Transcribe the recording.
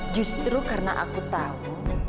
justru karena aku tahu